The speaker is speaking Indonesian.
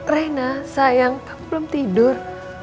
reina sayang belum tidur